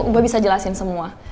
gue bisa jelasin semua